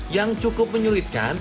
yang cukup menyulitkan